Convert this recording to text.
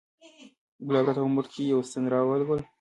ګلاب راته په مټ کښې يوه ستن راولګوله.